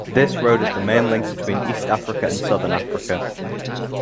This road is the main link between East Africa and Southern Africa.